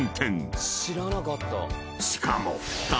［しかも］